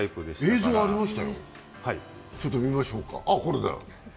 映像ありましたよ、ちょっと見ましょうか。